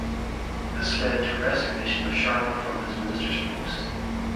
This led to resignation of Sharma from his ministers post.